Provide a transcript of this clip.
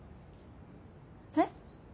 えっ？